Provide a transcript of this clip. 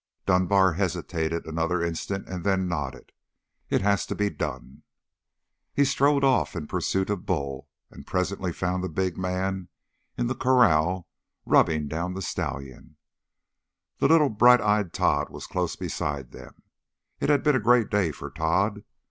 Dunbar hesitated another instant and then nodded. "It has to be done." He strode off in pursuit of Bull and presently found the big man in the corral rubbing down the stallion; the little bright eyed Tod was close beside them. It had been a great day for Tod.